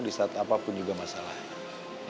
di saat apapun juga masalah